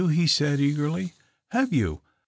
lie said eagerly. " Have you ?